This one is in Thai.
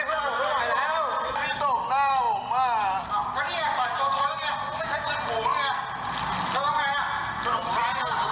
ตั้นไม่ใช้เพื่อนผมเนี้ย